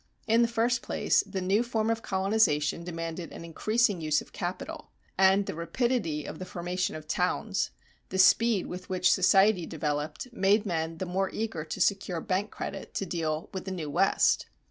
In the first place the new form of colonization demanded an increasing use of capital; and the rapidity of the formation of towns, the speed with which society developed, made men the more eager to secure bank credit to deal with the new West.